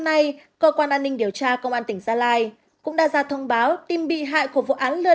qua cơ quan an ninh điều tra công an tỉnh gia lai cũng đã ra thông báo tìm bị hại của vụ án lừa